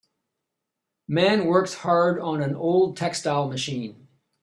Man works hard on a old textile machine